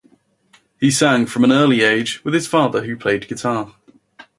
He sang from an early age, with his father who played guitar.